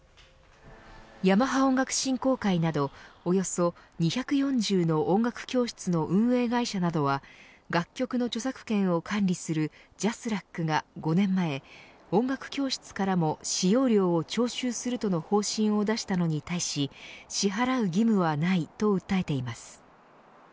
ヤマハ音楽振興会など、およそ２４０の音楽教室の運営会社などは楽曲の著作権を管理するＪＡＳＲＡＣが５年前音楽教室からも使用料を徴収するとの方針を出したのに対し支払う義務はないと訴えています。